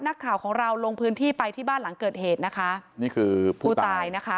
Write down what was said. นักข่าวของเราลงพื้นที่ไปที่บ้านหลังเกิดเหตุนะคะนี่คือผู้ตายนะคะ